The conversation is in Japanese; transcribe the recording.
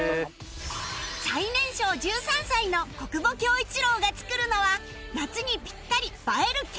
最年少１３歳の小久保向一朗が作るのは夏にピッタリ映えるキャラバーグ